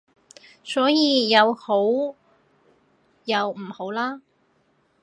所以有好有唔好啦